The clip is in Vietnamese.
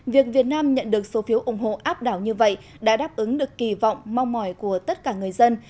việc việt nam nhận được số phiếu ủng hộ áp đảo như vậy đã đáp ứng được kỳ vọng mong mỏi của tất cả người dân